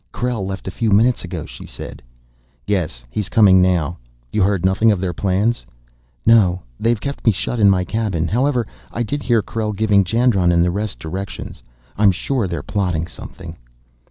"Krell left a few minutes ago," she said. "Yes, he's coming now. You heard nothing of their plans?" "No; they've kept me shut in my cabin. However, I did hear Krell giving Jandron and the rest directions. I'm sure they're plotting something."